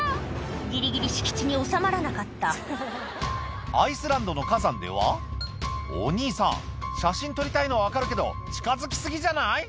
ギリギリ敷地に収まらなかったアイスランドの火山ではお兄さん写真撮りたいのは分かるけど近づき過ぎじゃない？